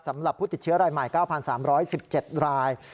สำหรับผู้ติดเชื้อรายใหม่๙๓๑๗ราย